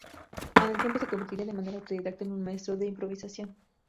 Con el tiempo se convertiría de manera autodidacta en un maestro de la improvisación.